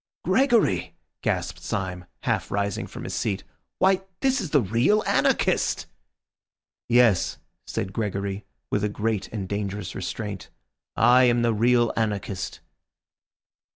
"Gregory!" gasped Syme, half rising from his seat. "Why, this is the real anarchist!" "Yes," said Gregory, with a great and dangerous restraint, "I am the real anarchist."